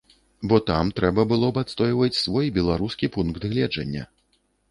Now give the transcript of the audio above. Бо там трэба было б адстойваць свой беларускі пункт гледжання.